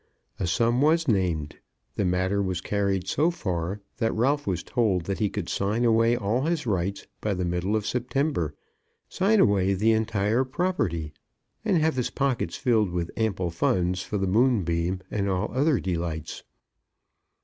A sum was named. The matter was carried so far, that Ralph was told that he could sign away all his rights by the middle of September, sign away the entire property, and have his pockets filled with ample funds for the Moonbeam, and all other delights.